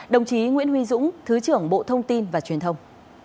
đồng chí nguyễn huy dũng thứ trưởng bộ thông tin và truyền thông